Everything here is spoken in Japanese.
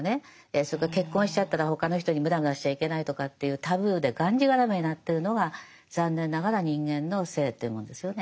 それから結婚しちゃったら他の人にムラムラしちゃいけないとかっていうタブーでがんじがらめになってるのが残念ながら人間の性というもんですよね。